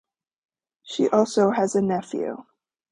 She also has a nephew.